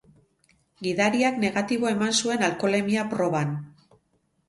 Gidariak negatibo eman zuen alkoholemia proban.